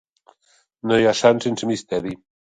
No hi ha sant sense misteri.